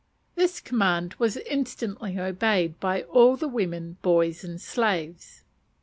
This command was instantly obeyed by all the women, boys, and slaves.